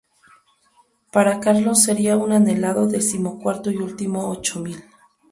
Para Carlos sería su anhelado decimocuarto y último ochomil.